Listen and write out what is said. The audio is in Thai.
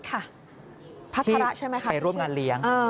ค่ะพระธรรมะใช่ไหมครับพี่ชื่อใช่ที่ไปร่วมงานเลี้ยง